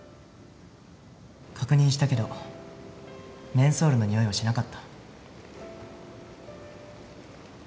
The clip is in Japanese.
確認したけどメンソールのにおいはしなかった。